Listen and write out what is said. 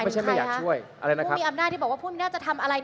ผู้มีอำนาจเมื่อกี้หมายถึงใครครับผู้มีอำนาจที่บอกว่าผู้มีอำนาจจะทำอะไร